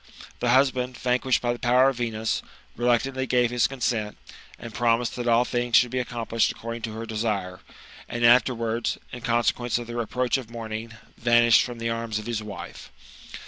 The husband, vanquished by the power of Venus, reluctantly gave his consent, and promised that all things should be accom plished according to her desire ; and afterwards, in consequence of the approach of morning, vanished from the arms of his wife.